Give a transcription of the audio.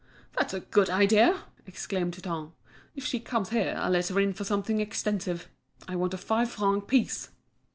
"That's a good idea!" exclaimed Hutin. "If she comes here I'll let her in for something extensive; I want a five franc piece!"